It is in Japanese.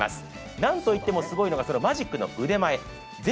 何といってもすごいのがマジックの腕前。